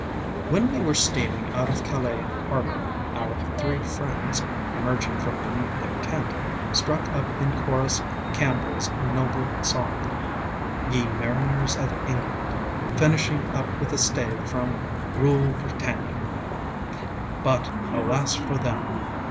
When we were steaming out of Calais harbor, our three friends, emerging from beneath their tent, struck up in chorus CampbellŌĆÖs noble song, ŌĆ£Ye Mariners of England, ŌĆØ finishing up with a stave from ŌĆ£Rule, Britannia! ŌĆØ But, alas for them!